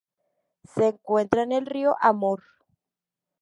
Se encuentra en el río Amur.